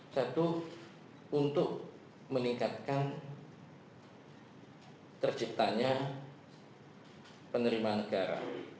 satu untuk meningkatkan terciptanya penerimaan negara